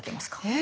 え？